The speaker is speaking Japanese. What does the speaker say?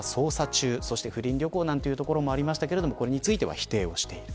不倫旅行ということもありましたがこれについては否定と。